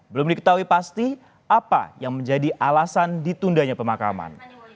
belum diketahui pasti apa yang menjadi alasan ditundanya pemakaman